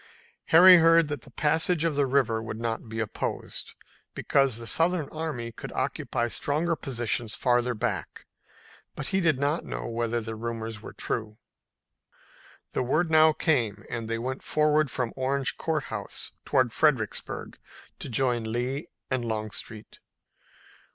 Harry heard that the passage of the river would not be opposed, because the Southern army could occupy stronger positions farther back, but he did not know whether the rumors were true. The word now came, and they went forward from Orange Court House toward Fredericksburg to join Lee and Longstreet.